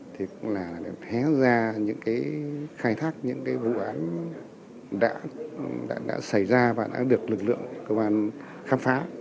thì cũng là để hé ra những cái khai thác những cái vụ án đã xảy ra và đã được lực lượng cơ quan khám phá